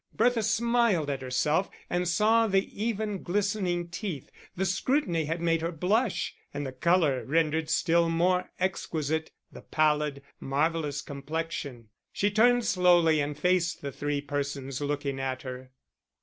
Bertha smiled at herself, and saw the even, glistening teeth; the scrutiny had made her blush, and the colour rendered still more exquisite the pallid, marvellous complexion. She turned slowly and faced the three persons looking at her.